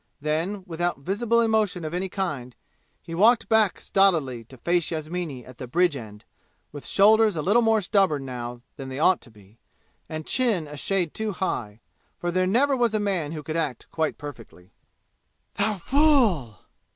Then, without visible emotion of any kind, he walked back stolidly to face Yasmini at the bridge end, with shoulders a little more stubborn now than they ought to be, and chin a shade too high, for there never was a man who could act quite perfectly. "Thou fool!"